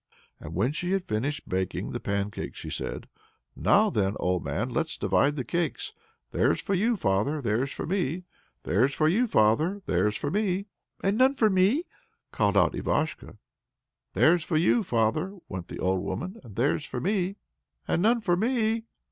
And when she had finished baking the pancakes, she said, "Now, then, old man, let's divide the cakes: there's for you, father! there's for me! There's for you, father! there's for me." "And none for me?" called out Ivashko. "There's for you, father!" went on the old woman, "there's for me." "And none for me!"